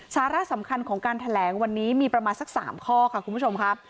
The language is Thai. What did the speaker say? สาระสำคัญของการแถลงวันนี้มีประมาณสัก๓ข้อค่ะคุณผู้ชมครับ